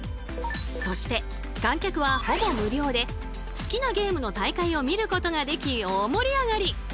そして観客はほぼ無料で好きなゲームの大会を見ることができ大盛り上がり！